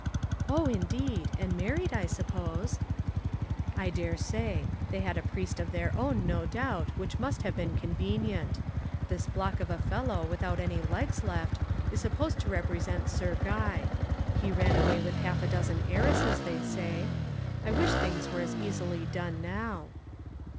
"Oh, indeed. And married, I suppose." "I dare say. They had a priest of their own, no doubt, which must have been convenient. This block of a fellow without any legs left is supposed to represent Sir Guy. He ran away with half a dozen heiresses, they say. I wish things were as easily done now."